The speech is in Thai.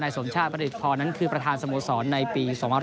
สมชาติประดิษฐพรนั้นคือประธานสโมสรในปี๒๕๖๒